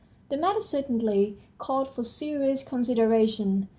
The matter certainly called for serious consideration.